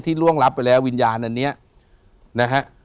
ล่วงรับไปแล้ววิญญาณอันนี้นะฮะ